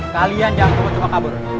kalian jangan cuma cuma kabur